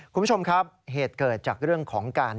คุณผู้ชมครับเหตุเกิดจากเรื่องของการ